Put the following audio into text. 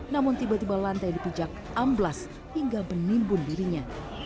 namun tiba tiba lantai dipijak amblas hingga menimbun dirinya